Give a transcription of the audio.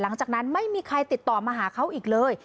หลังจากนั้นไม่มีใครติดต่อมาหาเขาอีกเลย